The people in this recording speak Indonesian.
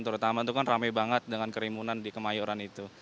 terutama itu kan rame banget dengan kerimunan di kemayoran itu